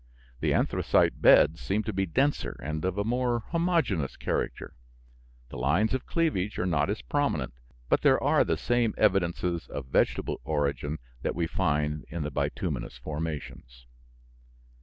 The anthracite beds seem to be denser and of a more homogeneous character. The lines of cleavage are not as prominent, but there are the same evidences of vegetable origin that we find in the bituminous formations.